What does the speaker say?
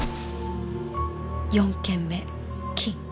「４件目金」